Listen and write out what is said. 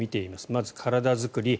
まず体作り。